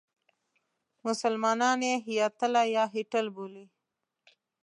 مسلمانان یې هیاتله یا هیتل بولي.